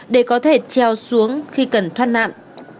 để có thể treo xuống khi cần thoát nạn